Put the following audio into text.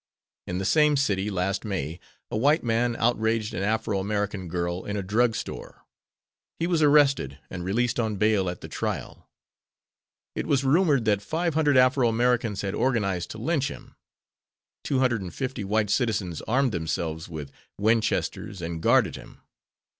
In the same city, last May, a white man outraged an Afro American girl in a drug store. He was arrested, and released on bail at the trial. It was rumored that five hundred Afro Americans had organized to lynch him. Two hundred and fifty white citizens armed themselves with Winchesters and guarded him.